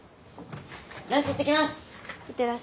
ランチ行ってきます！